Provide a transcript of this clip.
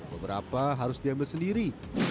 beberapa harus diambil sendiri